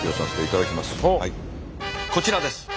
こちらです。